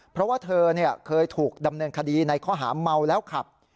เพราะว่าเธอเคยถูกดำเนินคดีในข้อหาเมาแล้วขับ